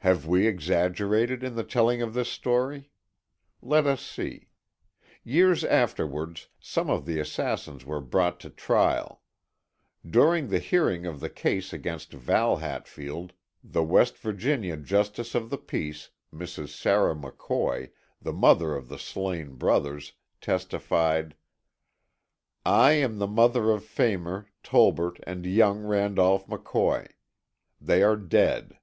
Have we exaggerated in the telling of this story? Let us see. Years afterwards some of the assassins were brought to trial. During the hearing of the case against Val Hatfield, the West Virginia justice of the peace, Mrs. Sarah McCoy, the mother of the slain brothers, testified: "I am the mother of Phamer, Tolbert and young Randolph McCoy. They are dead.